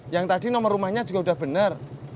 yang tadi nomor rumahnya juga udah bener